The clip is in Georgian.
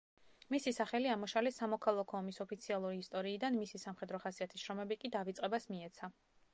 მისი სახელი ამოშალეს სამოქალაქო ომის ოფიციალური ისტორიიდან, მისი სამხედრო ხასიათის შრომები კი დავიწყებას მიეცა.